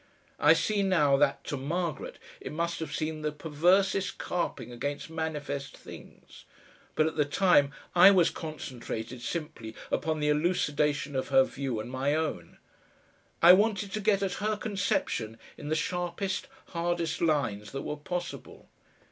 I see now that to Margaret it must have seemed the perversest carping against manifest things, but at the time I was concentrated simply upon the elucidation of her view and my own; I wanted to get at her conception in the sharpest, hardest lines that were possible.